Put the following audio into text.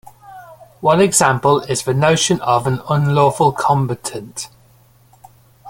One example is the notion of an unlawful combatant.